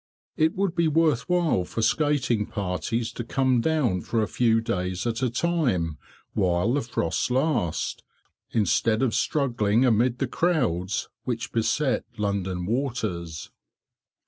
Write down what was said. It would be worth while for skating parties to come down for a few days at a time while the frosts last, instead of struggling amid the crowds which beset London waters.